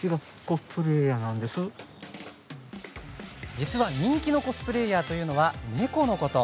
実は、人気のコスプレイヤーというのは猫のこと。